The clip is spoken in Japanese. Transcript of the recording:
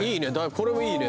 これもいいね